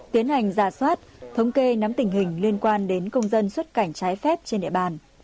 tiến hành giả soát thống kê nắm tình hình liên quan đến công dân xuất cảnh trái phép trên địa bàn